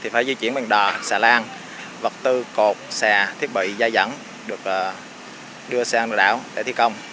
vì giai dẫn được đưa sang đảo để thi công